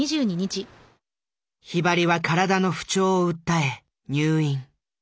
ひばりは体の不調を訴え入院。